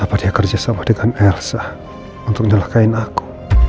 apa dia kerja sama dengan elsa untuk nyalahkain aku